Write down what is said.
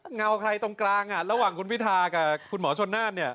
เงาใครตรงกลางระหว่างคุณพิทากับคุณหมอชนน่านเนี่ย